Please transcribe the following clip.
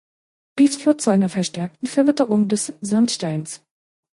Dies führt zu einer verstärkten Verwitterung des Sandsteins.